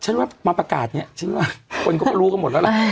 ว่ามาประกาศเนี่ยฉันว่าคนก็รู้กันหมดแล้วล่ะ